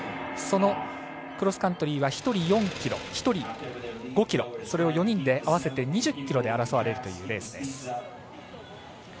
そのクロスカントリーは１人５ｋｍそれを４人で合わせて２０ｋｍで争われるというレースです。